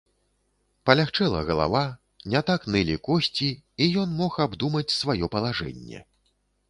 Палягчэла галава, не так нылі косці, і ён мог абдумаць сваё палажэнне.